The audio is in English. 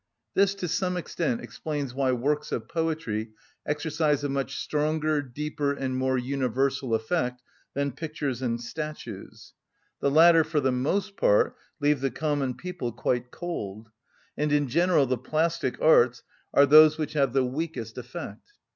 This, to some extent, explains why works of poetry exercise a much stronger, deeper, and more universal effect than pictures and statues; the latter, for the most part, leave the common people quite cold; and, in general, the plastic arts are those which have the weakest effect.